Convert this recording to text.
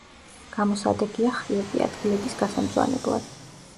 გამოსადეგია ხრიოკი ადგილების გასამწვანებლად.